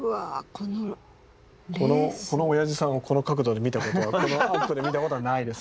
このおやじさんをこの角度で見たことはこのアップで見たことはないですよこれは。